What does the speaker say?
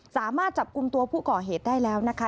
สามารถจับกลุ่มตัวผู้ก่อเหตุได้แล้วนะคะ